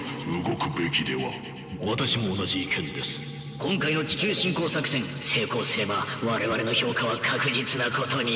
今回の地球侵攻作戦成功すれば我々の評価は確実なことに。